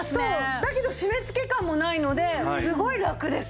だけど締めつけ感もないのですごいラクです。